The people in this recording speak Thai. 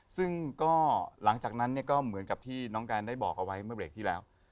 ซึ่งก็หลังจากนั้นเนี่ยก็เหมือนกับที่น้องการได้บอกเอาไว้เมื่อเบรกที่แล้ว